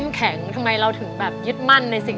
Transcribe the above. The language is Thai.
ไม่กลับมาก